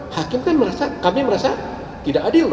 hakim kan merasa tidak adil